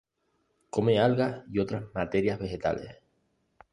Come algas y otras materias vegetales.